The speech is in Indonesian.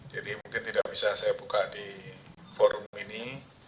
jadi mungkin tidak bisa saya buka di forum ini